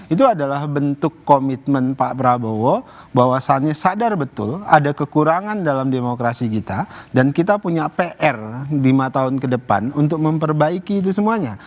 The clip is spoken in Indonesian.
itu adalah bentuk komitmen pak prabowo bahwasannya sadar betul ada kekurangan dalam demokrasi kita dan kita punya pr lima tahun ke depan untuk memperbaiki itu semuanya